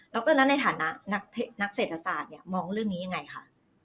แล้วก็ในฐานะนักเศรษฐศาสตร์เนี่ยมองเรื่องนี้ยังไงคะ